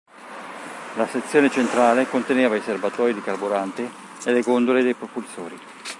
La sezione centrale conteneva i serbatoi di carburante e le gondole dei propulsori.